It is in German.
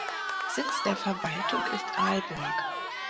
Sitz der Verwaltung ist Aalborg.